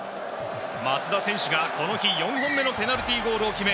松田選手がこの日４本目のペナルティーゴールを決め